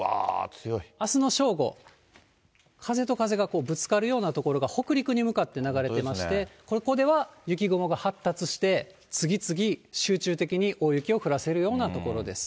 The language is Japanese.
あすの正午、風と風がぶつかるような所が北陸に向かって流れてまして、ここでは雪雲が発達して、次々、集中的に大雪を降らせるような所です。